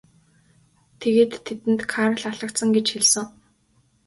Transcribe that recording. Тэгээд тэдэнд Карл алагдсан гэж хэлсэн.